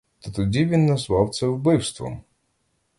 Та тоді він назвав це вбивством!